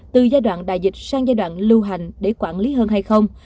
từ giai đoạn đại dịch sang giai đoạn lưu hành để quản lý hơn hay không